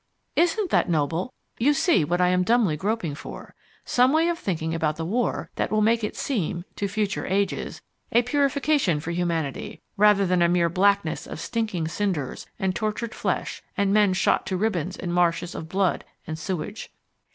Isn't that noble? You see what I am dumbly groping for some way of thinking about the War that will make it seem (to future ages) a purification for humanity rather than a mere blackness of stinking cinders and tortured flesh and men shot to ribbons in marshes of blood and sewage.